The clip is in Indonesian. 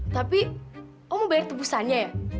tapi om bayar tebusannya ya